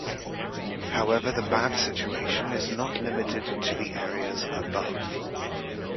However, the bad situation is not limited to the areas above.